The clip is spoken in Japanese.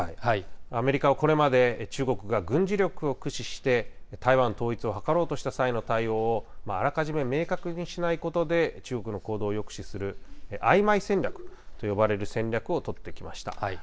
アメリカはこれまで、中国が軍事力を駆使して、台湾統一を図ろうとした際の対応を、あらかじめ明確にしないことで中国の行動を抑止するあいまい戦略と呼ばれる戦略を取ってきました。